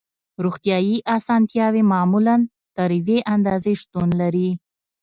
روغتیایی اسانتیاوې معمولاً تر یوې اندازې شتون لري